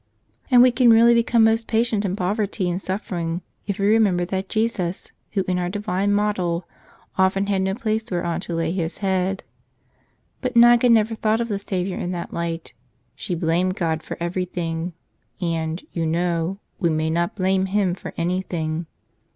And we can really become most patient in poverty and suffering if we remember that Jesus, Who is our divine Model, often had no place whereon to lay His head. But Niga never thought of the Savior in that light. She blamed God for everything. And, you know, we may not blame Him for anything.